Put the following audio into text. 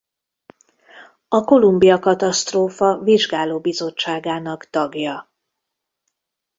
A Columbia-katasztrófa vizsgáló bizottságának tagja.